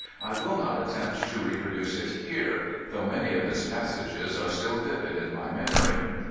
I will not at tempt to reproduce it here, though many of its passages are still vivid in my memory.